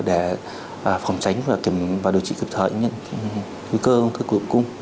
để phòng tránh và điều trị kịp thời những nguy cơ ung thư cổ tử cung